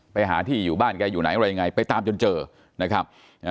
ไปหาที่อยู่บ้านแกอยู่ไหนอะไรยังไงไปตามจนเจอนะครับ